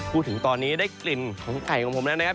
จนถึงตอนนี้ได้กลิ่นของไก่ของผมแล้วนะครับ